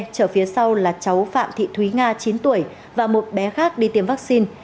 chở phía sau là cháu phạm thị thúy nga chín tuổi và một bé khác đi tìm vaccine